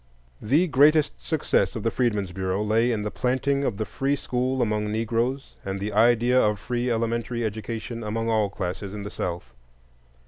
The greatest success of the Freedmen's Bureau lay in the planting of the free school among Negroes, and the idea of free elementary education among all classes in the South.